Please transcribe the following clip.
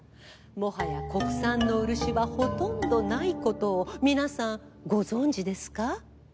もはや国産の漆はほとんどないことを皆さんご存じですか？